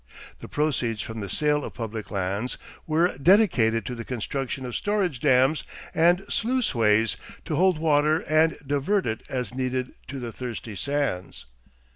The proceeds from the sale of public lands were dedicated to the construction of storage dams and sluiceways to hold water and divert it as needed to the thirsty sands.